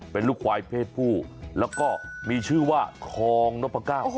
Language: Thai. เป็นลูกควายเพศผู้แล้วก็มีชื่อว่าทองนพก้าว